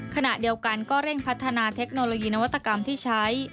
ขณะเดียวกันก็เร่งพัฒนาเทคโนโลยีนวัตกรรมที่ใช้